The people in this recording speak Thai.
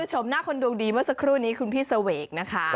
ชมหน้าคนดวงดีเมื่อสักครู่นี้คุณพี่เสวกนะคะ